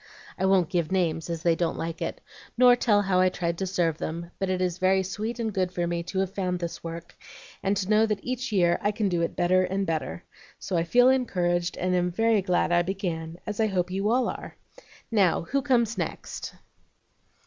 I won't give names, as they don't like it, nor tell how I tried to serve them, but it is very sweet and good for me to have found this work, and to know that each year I can do it better and better. So I feel encouraged and am very glad I began, as I hope you all are. Now, who comes next?"